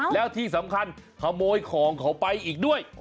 แล้วที่สำคัญขโมยของเขาไปอีกด้วย